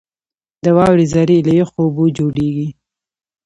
• د واورې ذرې له یخو اوبو جوړېږي.